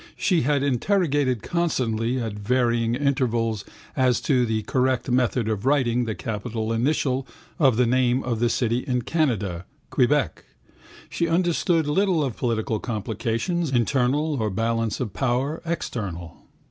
She had interrogated constantly at varying intervals as to the correct method of writing the capital initial of the name of a city in Canada, Quebec. She understood little of political complications, internal, or balance of power, external.